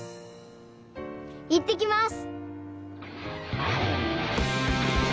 いってきます！